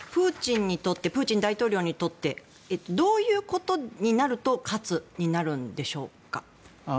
プーチン大統領にとってどういうことになると勝つになるんでしょうか。